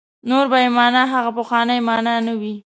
نور به یې معنا هغه پخوانۍ معنا نه وي.